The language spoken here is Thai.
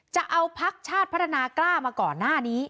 จะเอาพักชาติพัฒนากล้ามาก่อนหน้านี้